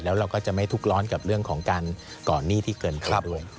แล้วเราก็จะไม่ทุกข์ร้อนกับเรื่องของการก่อนหนี้ที่เกินเขาด้วย